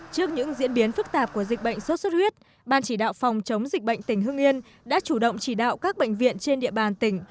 trước những diễn biến phức tạp của dịch bệnh sốt xuất huyết ban chỉ đạo phòng chống dịch bệnh tỉnh hưng yên đã chủ động chỉ đạo các bệnh viện trên địa bàn tỉnh